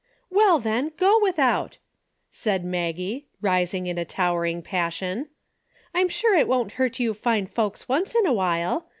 " W ell, then, go without !" said Maggie, rising in a towering passion. "I'm sure it won't hurt you fine folks once in a while.